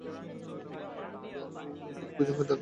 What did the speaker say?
বৃদ্ধা কহিল যদি প্রয়োজন থাকে বল, আজিই আমি রাজকন্যাকে জানাইয়া আসি।